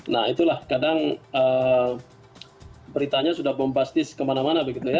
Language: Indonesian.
nah itulah kadang beritanya sudah bombastis kemana mana begitu ya